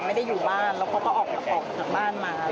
ไม่ได้อยู่บ้านแล้วเขาก็ออกมาจากบ้านมา